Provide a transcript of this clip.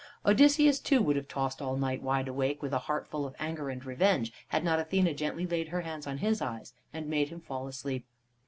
Odysseus, too, would have tossed all night wide awake, with a heart full of anger and revenge, had not Athene gently laid her hands on his eyes and made him fall asleep.